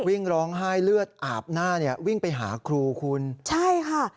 วิ่งร้องไห้เลือดอาบหน้าเนี่ยวิ่งไปหาครูคุณใช่ค่ะ